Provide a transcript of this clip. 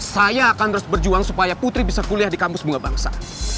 saya akan terus berjuang supaya putri bisa kuliah di kampus bunga bangsa